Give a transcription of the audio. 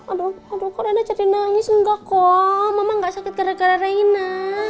aduh aduh rena jadi nangis enggak kok mama gak sakit gara gara rena